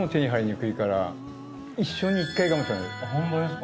ホントですか。